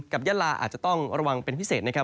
ยาลาอาจจะต้องระวังเป็นพิเศษนะครับ